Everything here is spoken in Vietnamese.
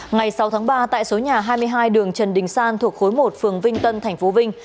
ngày sáu tháng ba tại số nhà hai mươi hai đường trần đình san thuộc khối một phường vinh tân tp vinh